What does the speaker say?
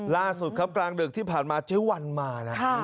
ล่าสุดครับกลางดึกที่ผ่านมาเจ๊วันมานะ